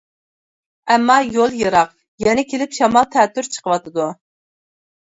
ئەمما، يول يىراق، يەنە كېلىپ شامال تەتۈر چىقىۋاتىدۇ.